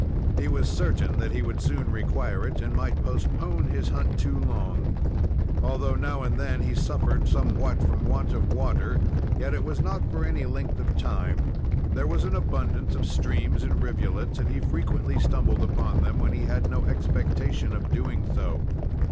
He was certain that he would soon require it and might postpone his hunt too long. Although now and then he suffered somewhat from want of water, yet it was not for any length of time. There was an abundance of streams and rivulets, and he frequently stumbled upon them, when he had no expectation of doing so.